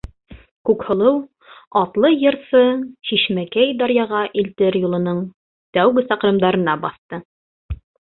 Күкһылыу атлы йырсы-шишмәкәй даръяға илтер юлының тәүге саҡрымдарына баҫты.